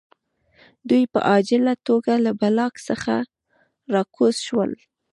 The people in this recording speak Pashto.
دوی په عاجله توګه له بلاک څخه راکوز شول